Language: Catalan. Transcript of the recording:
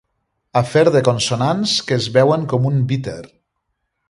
Afer de consonants que es beuen com un Bitter.